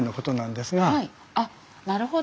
はいあっなるほど！